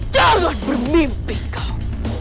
jangan bermimpi kau